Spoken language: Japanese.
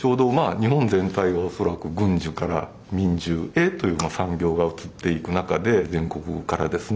日本全体が恐らく軍需から民需へというような産業が移っていく中で全国からですね